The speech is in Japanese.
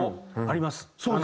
あります。